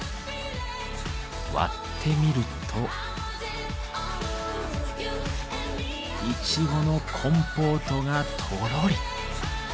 割ってみるとイチゴのコンポートがとろり。